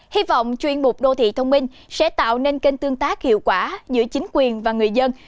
hy vọng chuyên mục đô thị thông minh sẽ tạo nên kênh tương tác hiệu quả giữa chính quyền và người dân